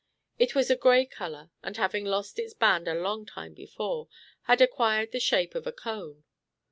It was a gray color, and having lost its band a long time before, had acquired the shape of a cone.